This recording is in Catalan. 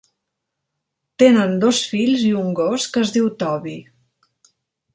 Tenen dos fills i un gos que es diu Toby.